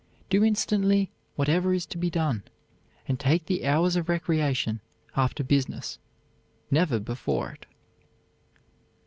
Do instantly whatever is to be done, and take the hours of recreation after business, never before it."